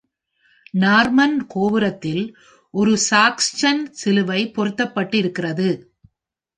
Norman கோபுரத்தில் ஒரு Saxon சிலுவை பொருத்தப்பட்டு இருக்கின்றது.